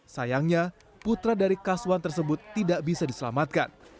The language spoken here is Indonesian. sayangnya putra dari kaswan tersebut tidak bisa diselamatkan